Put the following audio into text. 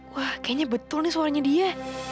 wah kayaknya betul nih suaranya dia